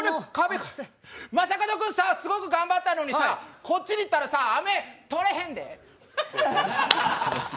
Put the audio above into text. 正門君さ、すごく頑張ったのにさ、こっちに行ったら飴取れへんで！